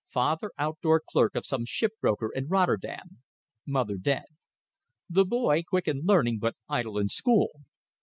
Father outdoor clerk of some ship broker in Rotterdam; mother dead. The boy quick in learning, but idle in school.